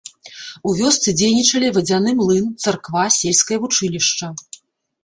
У вёсцы дзейнічалі вадзяны млын, царква, сельскае вучылішча.